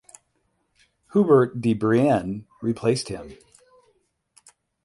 Hubert de Brienne replaced him.